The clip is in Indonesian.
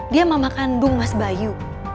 dia mama kandung mas bayu